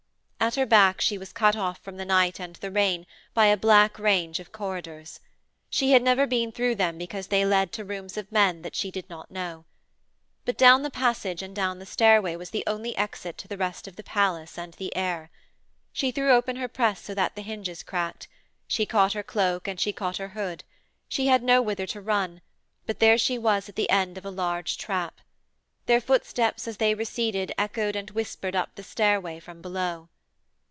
At her back she was cut off from the night and the rain by a black range of corridors. She had never been through them because they led to rooms of men that she did not know. But, down the passage and down the stairway was the only exit to the rest of the palace and the air. She threw open her press so that the hinges cracked. She caught her cloak and she caught her hood. She had nowhither to run but there she was at the end of a large trap. Their footsteps as they receded echoed and whispered up the stairway from below.